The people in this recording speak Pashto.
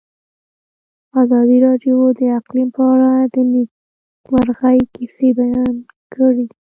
ازادي راډیو د اقلیم په اړه د نېکمرغۍ کیسې بیان کړې.